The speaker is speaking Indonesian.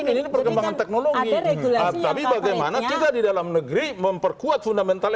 ini perkembangan teknologi tapi bagaimana kita di dalam negeri memperkuat fundamental